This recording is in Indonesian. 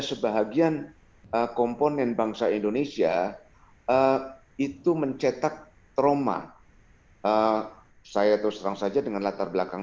sebagian komponen bangsa indonesia itu mencetak trauma saya terus terang saja dengan latar belakang